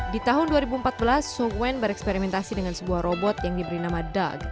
di tahun dua ribu empat belas sukwen bereksperimentasi dengan sebuah robot yang diberi nama dag